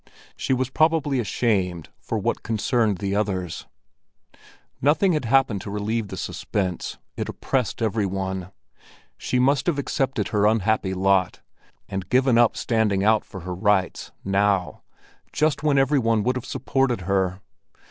She was probably ashamed for what concerned the others. Nothing had happened to relieve the suspense; it oppressed every one. She must have accepted her unhappy lot, and given up standing out for her rights, now, just when every one would have supported her.